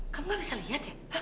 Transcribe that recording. kamu gak usah lihat ya